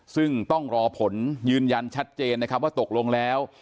ซึ่งต้องรอผลยืนยันชัดเจนนะครับว่าตกลงแล้ว